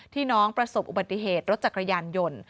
น้องประสบอุบัติเหตุรถจักรยานยนต์